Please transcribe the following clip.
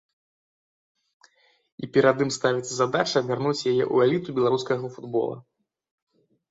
І перад ім ставіцца задача вярнуць яе ў эліту беларускага футбола.